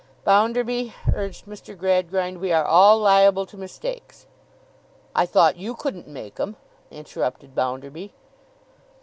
'Bounderby,' urged Mr. Gradgrind, 'we are all liable to mistakes—' 'I thought you couldn't make 'em,' interrupted Bounderby.